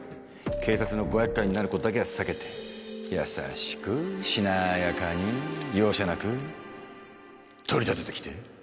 警察のごやっかいになることだけは避けて優しくしなやかに容赦なく取り立ててきて。